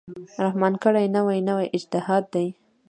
رحمان کړی، نوی نوی اجتهاد دی